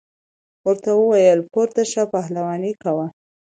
ورته وویل پورته شه پهلواني کوه.